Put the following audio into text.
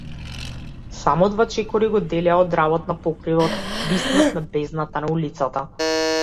Само два чекори го делеа од работ на покривот виснат над бездната на улицата.